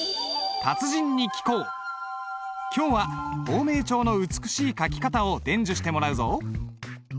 今日は芳名帳の美しい書き方を伝授してもらうぞ。